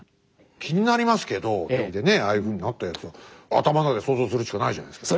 気になりますけどああいうふうになったやつは頭の中で想像するしかないじゃないですか。